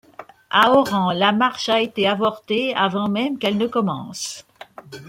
À Oran, la marche a été avortée avant même qu'elle ne commence.